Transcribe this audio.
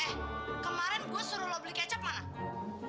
eh kemarin gue suruh lo beli kecap mana